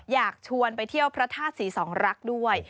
อยากชวนไปเที่ยวพระธาตุศรีสองรักด้วย